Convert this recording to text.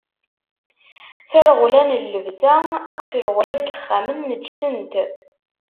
Tareɣla n llebsa akked treɣla n yexxamen neǧsent.